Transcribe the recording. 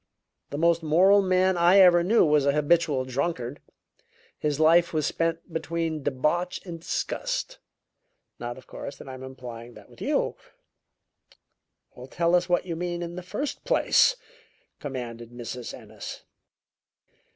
The most moral man I ever knew was a habitual drunkard. His life was spent between debauch and disgust. Not, of course, that I am implying that with you " "Tell us what you meant in the first place," commanded Mrs. Ennis.